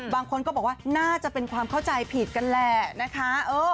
บางคนก็บอกว่าน่าจะเป็นความเข้าใจผิดกันแหละนะคะ